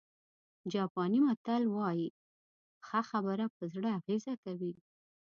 جاپاني متل وایي ښه خبره په زړه اغېزه کوي.